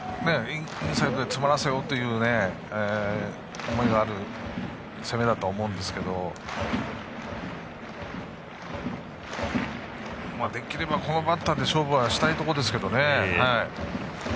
インサイドで詰まらせようという思いがある攻めだと思いますができれば、このバッターで勝負したいところですけどね。